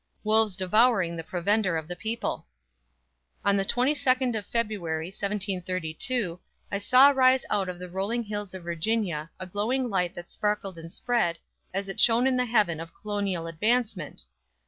Wolves devouring the provender of the people! On the 22d of February, 1732, I saw rise out of the rolling hills of Virginia, a glowing light that sparkled and spread, as it shone in the heaven of Colonial advancement.